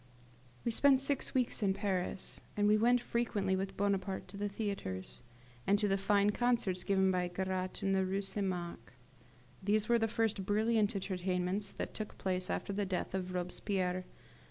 We spent six weeks in Paris, and we went frequently with Bonaparte to the theatres, and to the fine concerts given by Garat in the Rue St. Marc. These were the first brilliant entertainments that took place after the death of Robespierre.